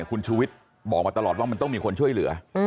คุณชูวิทย์บอกมาตลอดว่ามันต้องมีคนช่วยเหลือ